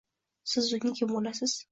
Siz unga kim boʻlasiz